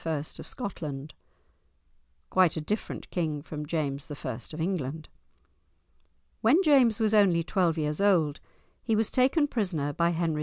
of Scotland (quite a different king from James I. of England). When James was only twelve years old, he was taken prisoner by Henry IV.